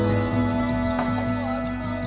dompet saya ketinggalan pak